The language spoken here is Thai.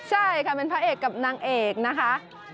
ใช่ค่ะเป็นพระเอกกับนางเอกนะคะ